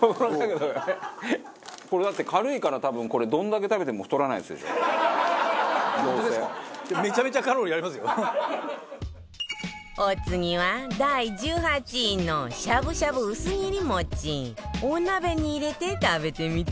これだって軽いから多分これお次は第１８位のしゃぶしゃぶうす切りもちお鍋に入れて食べてみて